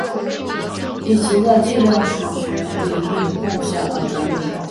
以其在计量史学领域的贡献而闻名。